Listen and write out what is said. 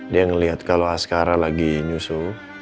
dia ngeliat kalau askara lagi nyusu